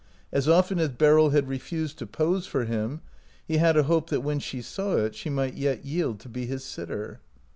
As often as Beryl had refused to pose for him he had a hope that when she saw it she might yet yield to be his sitter.